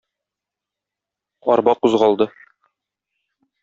Арба кузгалды.